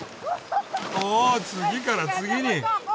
おお次から次に。